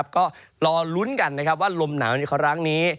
ก็รอลุ้นกันว่าลมหนาวในครั้งนี้